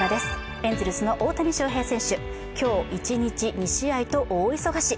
エンゼルスの大谷翔平選手、今日、一日２試合と大忙し。